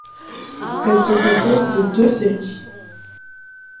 Elle se compose de deux séries.